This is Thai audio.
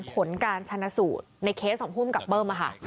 ผลการชนะสูตรในเคสของภูมิกับเบิ้มค่ะ